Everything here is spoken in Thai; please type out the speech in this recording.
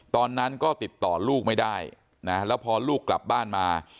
ตอนนั้นก็ติดต่อลูกไม่ได้นะแล้วพอลูกกลับบ้านมา